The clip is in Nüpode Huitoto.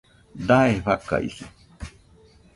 Daje fakaise